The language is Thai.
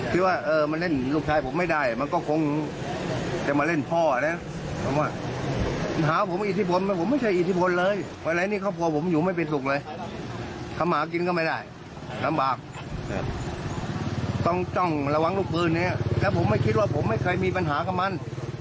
ต้องระวังรูปปืนเนี่ยแต่ผมไม่คิดว่าผมไม่เคยมีปัญหากับมัน